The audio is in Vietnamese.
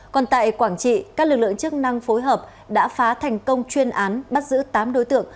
còn tại quảng trị các lực lượng chức năng phối hợp đã phá thành công chuyên án bắt giữ tám đối tượng